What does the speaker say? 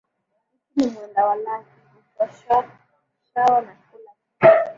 Mtu ni mwenda kwa lake., mtoshawa na kula kitu